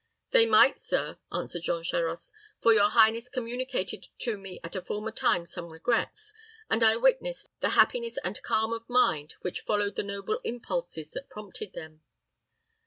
"They might, sir," answered Jean Charost; "for your highness communicated to me at a former time some regrets, and I witnessed the happiness and calm of mind which followed the noble impulses that prompted them.